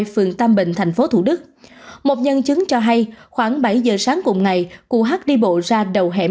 phường tam bình tp thủ đức một nhân chứng cho hay khoảng bảy giờ sáng cùng ngày cụ hát đi bộ ra đầu hẻm